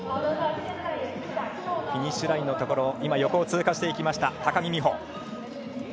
フィニッシュラインのところ横を通過していきました高木美帆。